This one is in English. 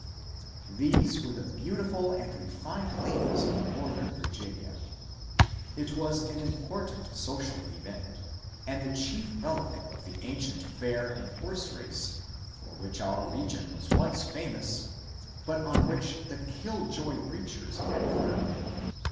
These were the beautiful and refined ladies of northern Virginia. It was an important social event, and the chief relic of the ancient fair and horse race for which our region was once famous, but on which the kill joy preachers had frowned.